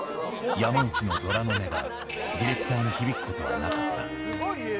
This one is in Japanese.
山内のドラの音が、ディレクターに響くことはなかった。